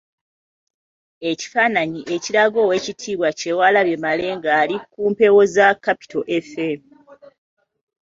Ekifaananyi ekiraga oweekitiibwa Kyewalabye Male nga ali ku mpewo za Capital FM.